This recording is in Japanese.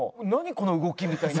この動きみたいな。